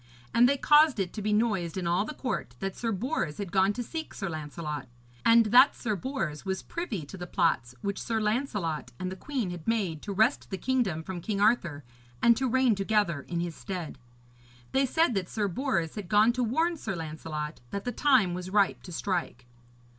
And they caused it to be noised in all the court that Sir Bors had gone to seek Sir Lancelot, and that Sir Bors was privy to the plots which Sir Lancelot and the queen had made to wrest the kingdom from King Arthur and to reign together in his stead. They said that Sir Bors had gone to warn Sir Lancelot that the time was ripe to strike.